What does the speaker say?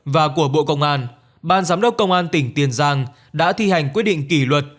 và của bộ công an ban giám đốc công an tỉnh tiền giang đã thi hành quyết định kỷ luật